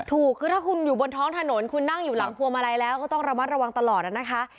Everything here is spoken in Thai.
ถูกคือถ้าคุณอยู่บนท้องถนนคุณนั่งอยู่หลังพวงมาลัยแล้วก็ต้องระมัดระวังตลอดนะคะ